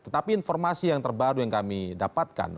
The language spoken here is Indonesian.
tetapi informasi yang terbaru yang kami dapatkan